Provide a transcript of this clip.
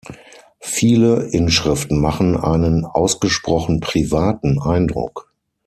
Viele Inschriften machen einen ausgesprochen „privaten“ Eindruck.